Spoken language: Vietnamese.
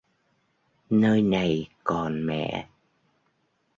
Nơi này còn mẹ